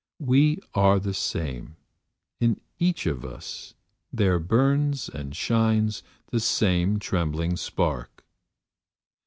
We are the same; in each of us there burns and shines the same trembling spark.